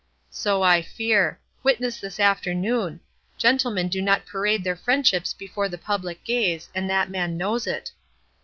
"So I fear. Witness this afternoon. Gentlemen do not parade their friendships before the public gaze, and that man knows it."